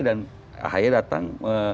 dan akhirnya datang